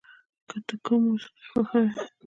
ته کوم موسیقی خوښوې؟